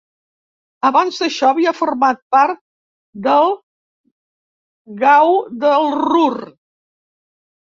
Abans d'això havia format part del Gau del Ruhr.